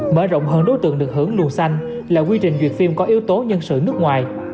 mở rộng hơn đối tượng được hưởng luồng xanh là quy trình duyệt phim có yếu tố nhân sự nước ngoài